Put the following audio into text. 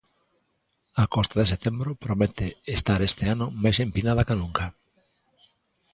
A costa de setembro promete estar este ano máis empinada ca nunca.